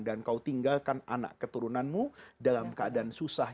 kau tinggalkan anak keturunanmu dalam keadaan susah